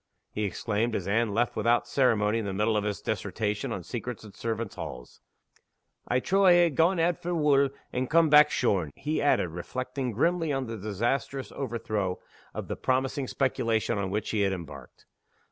he exclaimed, as Anne left him without ceremony in the middle of his dissertation on secrets and servants' halls. "I trow I ha' gaen out for wool, and come back shorn," he added, reflecting grimly on the disastrous overthrow of the promising speculation on which he had embarked.